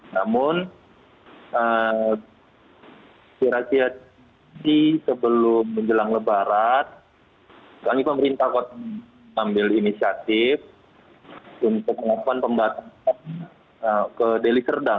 namun kira kira ini sebelum menjelang lebaran kami pemerintah kotanya mengambil inisiatif untuk menghasilkan pembatasan ke deli serdang